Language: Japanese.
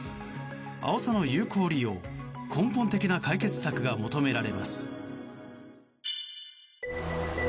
アオサの有効利用根本的な解決策が求められます。